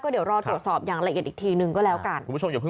เดี๋ยวรอตรวจสอบอย่างละเอียดอีกทีนึงก็แล้วกันคุณผู้ชม